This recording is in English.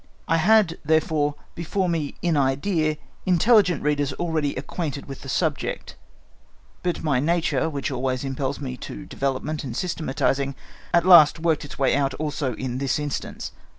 I had, therefore, before me in idea, intelligent readers already acquainted with the subject. But my nature, which always impels me to development and systematising, at last worked its way out also in this instance.